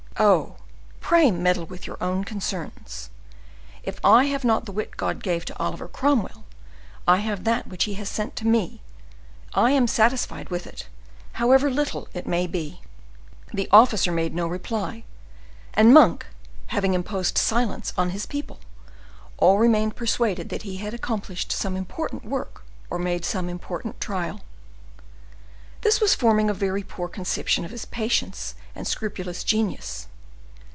"Oh! pray meddle with your own concerns. If I have not the wit God gave to Oliver Cromwell, I have that which He has sent to me: I am satisfied with it, however little it may be." The officer made no reply; and Monk, having imposed silence on his people, all remained persuaded that he had accomplished some important work or made some important trial. This was forming a very poor conception of his patience and scrupulous genius.